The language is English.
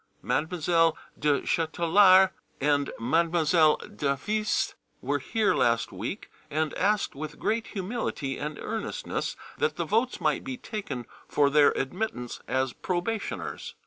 Mademoiselle du Châtelard and Mademoiselle d'Avise were here last week, and asked with great humility and earnestness that the votes might be taken for their admittance as probationers.